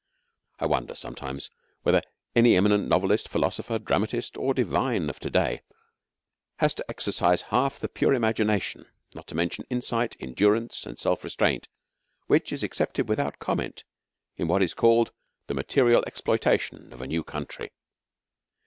I wonder sometimes whether any eminent novelist, philosopher, dramatist, or divine of to day has to exercise half the pure imagination, not to mention insight, endurance, and self restraint, which is accepted without comment in what is called 'the material exploitation' of a new country.